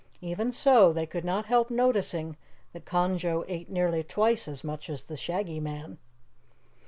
Even so, they could not help noticing that Conjo ate nearly twice as much as the Shaggy Man.